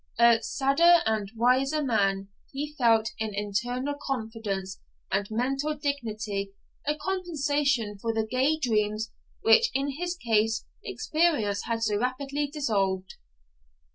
'A sadder and a wiser man,' he felt in internal confidence and mental dignity a compensation for the gay dreams which in his case experience had so rapidly dissolved.